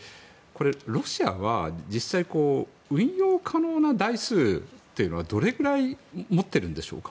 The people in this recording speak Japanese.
ロシアは実際運用可能な台数というのはどれぐらい持ってるんでしょうか。